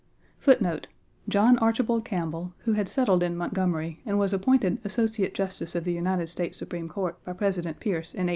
John Archibald Campbell, who had settled in Montgomery and was appointed Associate Justice of the United States Supreme Court by President Pierce in 1853.